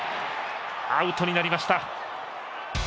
アウトになりました。